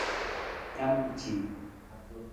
Na ng ci.